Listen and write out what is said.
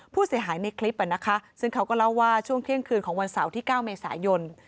ผู้เสียหายในคลิปซึ่งเขาก็เล่าว่าช่วงเที่ยงคืนของวันเสาร์ที่๙เมษายน